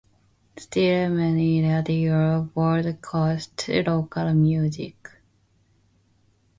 Still, many radios broadcast local music.